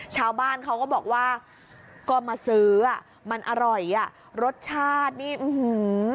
ชาวบ้านเขาก็บอกว่าก็มาซื้ออ่ะมันอร่อยอ่ะรสชาตินี่อื้อหือ